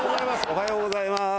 おはようございます。